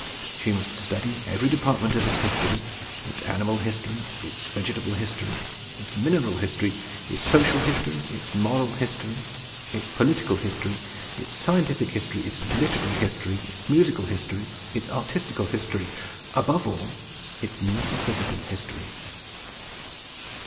She must study every department of its history its animal history; its vegetable history; its mineral history; its social history; its moral history; its political history; its scientific history; its literary history; its musical history; its artistical history; above all, its metaphysical history.